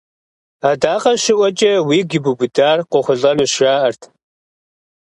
Адакъэ щыӀуэкӀэ уигу ибубыдар къохъулӀэнущ, жаӀэрт.